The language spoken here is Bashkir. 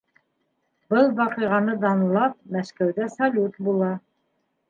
Был ваҡиғаны данлап, Мәскәүҙә салют була.